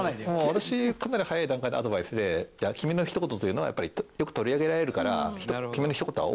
私かなり早い段階でアドバイスで君の一言というのはやっぱりよく取り上げられるから。